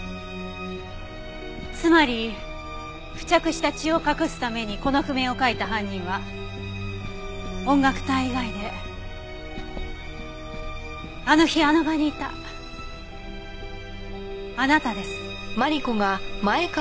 つまり付着した血を隠すためにこの譜面を書いた犯人は音楽隊以外であの日あの場にいたあなたです。